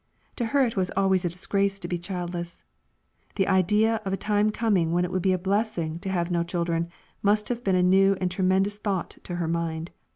To her it was always a disgrace to be childless. The idea of a time coming when it would be a blessing to have no children, must have been a new and tremendous thought to her mind.